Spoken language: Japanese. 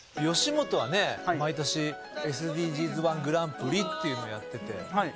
吉本はね毎年ＳＤＧｓ−１グランプリっていうのをやってて。